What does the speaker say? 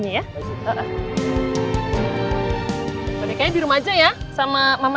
iya baik baik jadi skorka